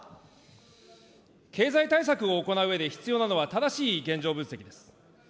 経済対策を行ううえで必要なのは正しい現状分析です。